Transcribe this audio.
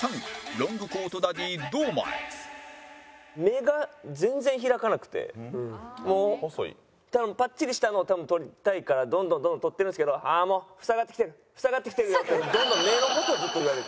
ロングコートダディ堂前多分パッチリしたのを撮りたいからどんどん撮ってるんですけど「ああもう塞がってきてる塞がってきてるよ」ってどんどん目の事ずっと言われて。